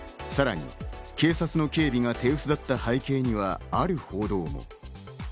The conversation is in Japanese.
さらに警察の警備が手薄だった背景にはある報道が。